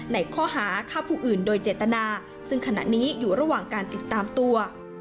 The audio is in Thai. ในข้อหาฆ่าผู้อื่นโดยเจตนาซึ่งขณะนี้อยู่ระหว่างการติดตามตัว